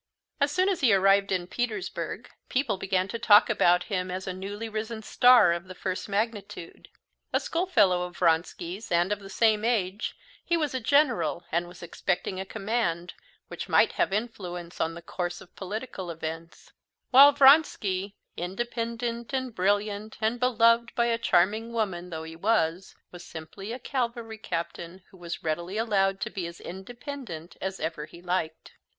As soon as he arrived in Petersburg, people began to talk about him as a newly risen star of the first magnitude. A schoolfellow of Vronsky's and of the same age, he was a general and was expecting a command, which might have influence on the course of political events; while Vronsky, independent and brilliant and beloved by a charming woman though he was, was simply a cavalry captain who was readily allowed to be as independent as ever he liked.